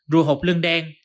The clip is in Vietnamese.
rùa hộp lưng đen